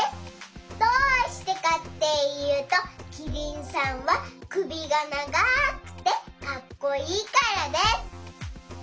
どうしてかっていうとキリンさんはくびがながくてかっこいいからです。